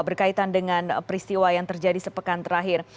berkaitan dengan peristiwa yang terjadi sepekan terakhir